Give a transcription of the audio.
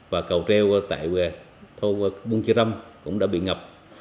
và cầu treo tại thô bung chư râm cũng đã bị ngập